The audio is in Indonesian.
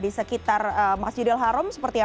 di sekitar masjidil haram seperti apa